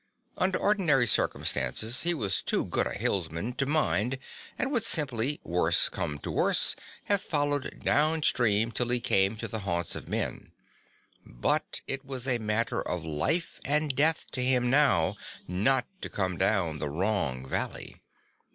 Under ordinary circumstances he was too good a hillsman to mind and would simply, worse come to the worst, have followed down stream till he came to the haunts of men, but it was a matter of life and death to him now not to come down the wrong valley.